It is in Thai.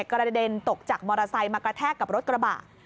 กระเด็นตกจากมอเตอร์ไซค์มากระแทกกับรถกระบะ